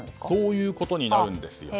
そういうことになるんです。